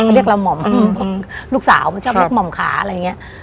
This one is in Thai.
เขาเรียกเราห่อมลูกสาวมันชอบเรียกหม่อมขาอะไรอย่างนี้